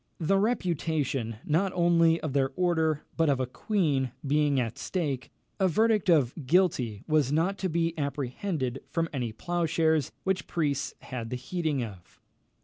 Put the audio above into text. The reputation, not only of their order, but of a queen, being at stake, a verdict of guilty was not to be apprehended from any ploughshares which priests had the heating of.